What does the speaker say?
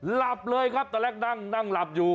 หลับเลยครับตอนแรกนั่งนั่งหลับอยู่